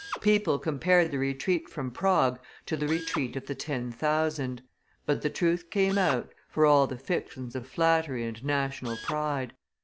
People compared the retreat from Prague to the Retreat of the Ten Thousand; but the truth came out for all the fictions of flattery and national pride.